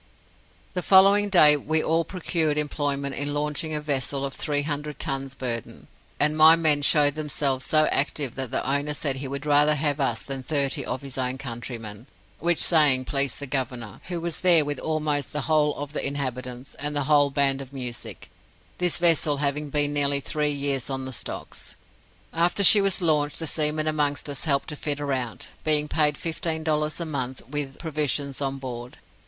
"The following day we all procured employment in launching a vessel of three hundred tons burden, and my men showed themselves so active that the owner said he would rather have us than thirty of his own countrymen; which saying pleased the Governor, who was there with almost the whole of the inhabitants and a whole band of music, this vessel having been nearly three years on the stocks. After she was launched, the seamen amongst us helped to fit her out, being paid fifteen dollars a month, with provisions on board.